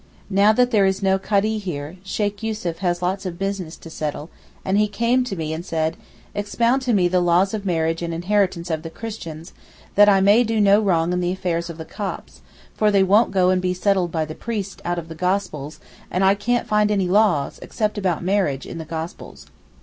Now that there is no Kadee here, Sheykh Yussuf has lots of business to settle; and he came to me and said, 'Expound to me the laws of marriage and inheritance of the Christians, that I may do no wrong in the affairs of the Copts, for they won't go and be settled by the priest out of the Gospels, and I can't find any laws, except about marriage in the Gospels.